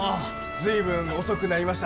随分遅くなりました。